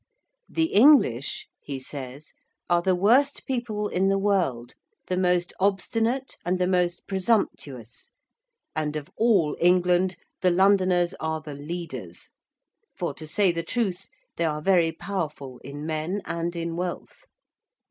'The English,' he says, 'are the worst people in the world: the most obstinate and the most presumptuous: and, of all England, the Londoners are the leaders; for, to say the truth, they are very powerful in men and in wealth.